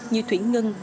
như thủy ngân